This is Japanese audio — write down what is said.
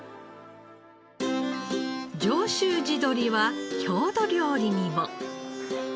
上州地鶏は郷土料理にも。